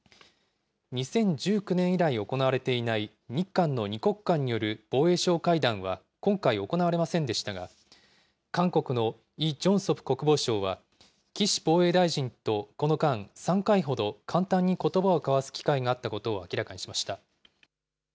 ２０１９年以来行われていない日韓の２国間による防衛相会談は今回行われませんでしたが、韓国のイ・ジョンソプ国防相は、岸防衛大臣とこの間、３回ほど簡単にことばを交わす機会があったことを明らかにしました。